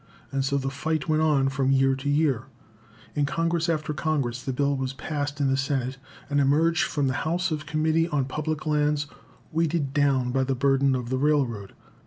And so the fight went on from year to year. In Congress after Congress the bill was passed in the Senate, and emerged from the House Committee on Public Lands weighted down by the burden of the railroad.